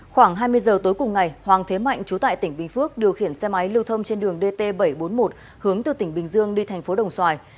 khoảng hai mươi giờ tối cùng ngày hoàng thế mạnh trú tại tỉnh bình phước điều khiển xe máy lưu thông trên đường dt bảy trăm bốn mươi một hướng từ tỉnh bình dương đi thành phố đồng xoài